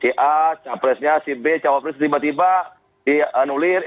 ca capresnya cb cawapres tiba tiba di anulir